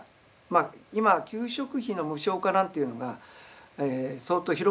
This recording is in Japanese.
今給食費の無償化なんていうのが相当広がってますよね。